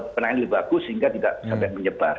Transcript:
penanganan lebih bagus sehingga tidak sampai menyebar